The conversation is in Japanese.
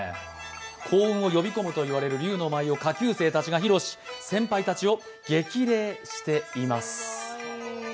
幸運を呼び込むといわれる竜の舞を、下級生たちが披露し先輩たちを激励しています。